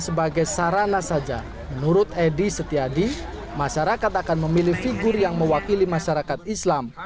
sebagai sarana saja menurut edi setiadi masyarakat akan memilih figur yang mewakili masyarakat islam